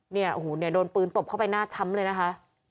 เนี่ยโอ้โหเนี่ยโดนปืนตบเข้าไปหน้าช้ำเลยนะคะ